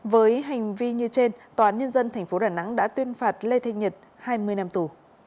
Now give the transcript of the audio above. với hành vi như trên toán nhân dân thành phố đà nẵng đã tuyên phạt lê thanh nhật hai mươi năm tù